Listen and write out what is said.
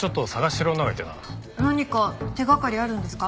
何か手掛かりあるんですか？